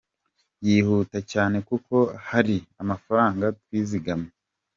yihuta cyane kuko hari amafaranga twizigamye.